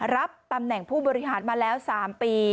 รับตำแหน่งผู้บริหารมาแล้ว๓ปี